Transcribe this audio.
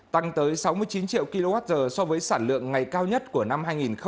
tăng tới sáu mươi chín triệu kwh so với sản lượng ngày cao nhất của năm hai nghìn hai mươi